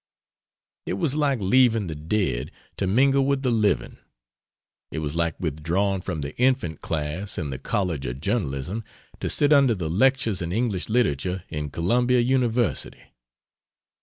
It was like leaving the dead to mingle with the living: it was like withdrawing from the infant class in the College of journalism to sit under the lectures in English literature in Columbia University.